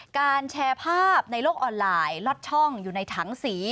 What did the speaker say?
การแชร์ภาพในโลกออนไลน์ลอดช่องอยู่ในถังสี